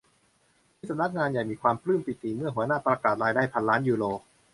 ที่สำนักงานใหญ่มีความปลื้มปีติเมื่อหัวหน้าประกาศได้รายได้พันล้านยูโร